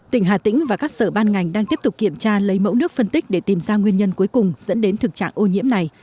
tỉnh hà tĩnh và các sở ban ngành đang tiếp tục kiểm tra lấy mẫu nước phân tích để tìm ra nguyên nhân cuối cùng dẫn đến thực trạng ô nhiễm này